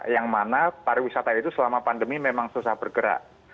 yang mana pariwisata itu selama pandemi memang susah bergerak